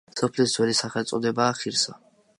სოფლის ძველი სახელწოდებაა ხირსა.